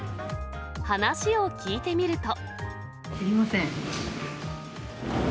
話を聞いてみると。